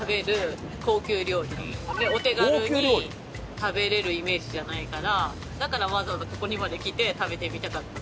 お手軽に食べられるイメージじゃないからだからわざわざここにまで来て食べてみたかった。